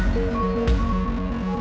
kejang kanan gerak